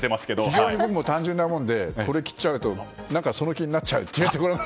非常に僕も単純なものでこれを着ちゃうとその気になっちゃうところが。